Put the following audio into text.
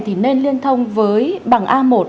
thì nên liên thông với bằng a một